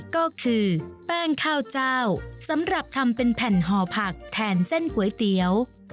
ก็คือแป้งข้าวเจ้าสำหรับทำเป็นแผ่นห่อผักแทนเส้นก๋วยเตี๋ยว